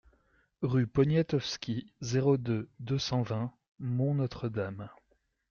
Rue Poniatowski, zéro deux, deux cent vingt Mont-Notre-Dame